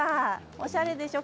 おしゃれでしょう？